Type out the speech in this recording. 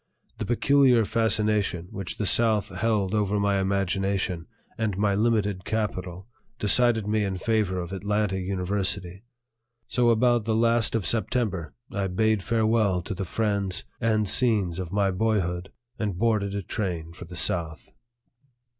The peculiar fascination which the South held over my imagination and my limited capital decided me in favor of Atlanta University; so about the last of September I bade farewell to the friends and scenes of my boyhood and boarded a train for the South.